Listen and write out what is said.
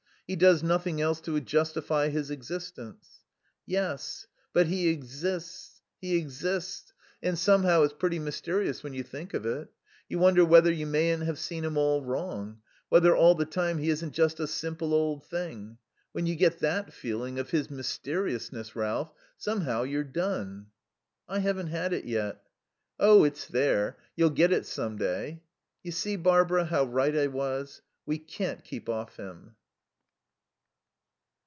He does nothing else to justify his existence." "Yes. But he exists. He exists. And somehow, it's pretty mysterious when you think of it. You wonder whether you mayn't have seen him all wrong. Whether all the time he isn't just, a simple old thing. When you get that feeling of his mysteriousness, Ralph somehow you're done." "I haven't had it yet." "Oh, it's there. You'll get it some day." "You see, Barbara, how right I was? We can't keep off him."